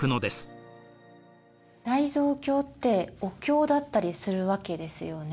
大蔵経ってお経だったりするわけですよね。